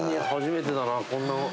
初めてだなこんな。